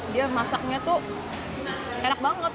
dia masaknya tuh enak banget